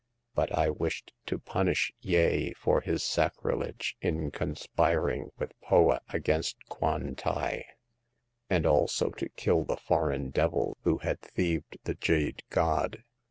But I wished to pun ish Yeh for his sacrilege in conspiring with Poa The Third Customer. 107 against Kwan tai ; and also to kill the foreign de vil who had thieved the jade god.